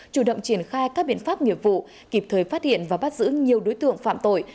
chủ động triển khai các biện pháp nghiệp vụ kịp thời phát hiện và bắt giữ nhiều đối tượng phạm tội